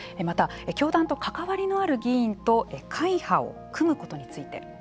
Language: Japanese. また関わりのある議員と会派を組むことについて。